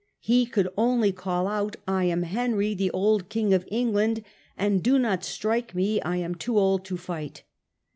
He could only call out " I am Henry, the old king of England", and "Do not strike me, I am too old to fight".